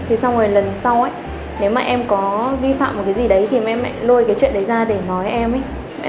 thế xong rồi lần sau ấy nếu mà em có vi phạm một cái gì đấy thì mẹ em lại lôi cái chuyện đấy ra để nói em ấy